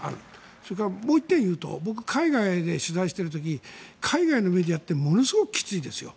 それから、もう１点いうと僕は海外で取材している時海外のメディアってものすごいきついですよ。